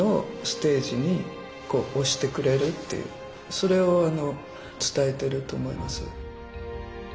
それを伝えてると思います。